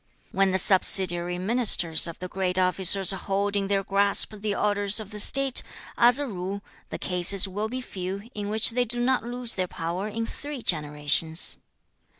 When the subsidiary ministers of the great officers hold in their grasp the orders of the state, as a rule, the cases will be few in which they do not lose their power in three generations.